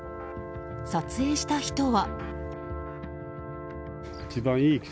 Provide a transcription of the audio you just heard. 撮影した人は。